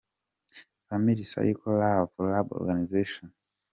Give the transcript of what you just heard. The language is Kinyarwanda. ‘Family Circle Love Lab Organization ’.